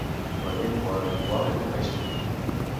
La llengua habitual és el paixtu.